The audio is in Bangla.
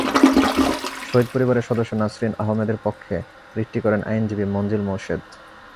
শহীদ পরিবারের সদস্য নাসরিন আহমেদের পক্ষে রিটটি করেন আইনজীবী মনজিল মোরসেদ।